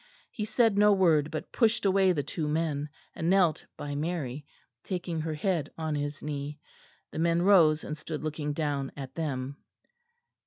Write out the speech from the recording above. He said no word but pushed away the two men, and knelt by Mary, taking her head on his knee. The men rose and stood looking down at them.